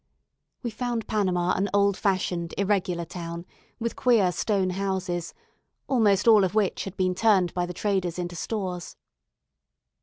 We found Panama an old fashioned, irregular town, with queer stone houses, almost all of which had been turned by the traders into stores.